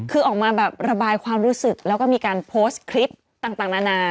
คือออกมาแบบระบายความรู้สึกแล้วก็มีการโพสต์คลิปต่างนานา